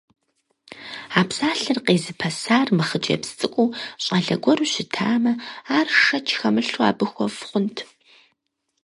А псалъэр къезыпэсар мыхъыджэбз цӀыкӀуу, щӀалэ гуэру щытамэ, ар, шэч хэмылъу, абы хуэфӀ хъунт!